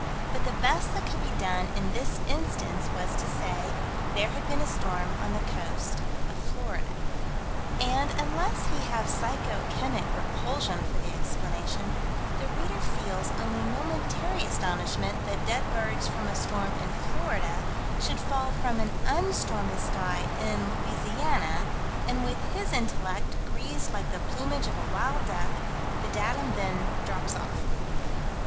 But the best that could be done in this instance was to say: "There had been a storm on the coast of Florida." And, unless he have psycho chemic repulsion for the explanation, the reader feels only momentary astonishment that dead birds from a storm in Florida should fall from an unstormy sky in Louisiana, and with his intellect greased like the plumage of a wild duck, the datum then drops off.